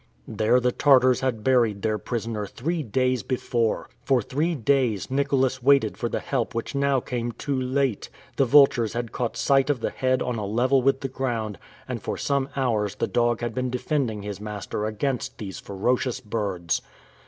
There the Tartars had buried their prisoner three days before! For three days, Nicholas waited for the help which now came too late! The vultures had caught sight of the head on a level with the ground, and for some hours the dog had been defending his master against these ferocious birds!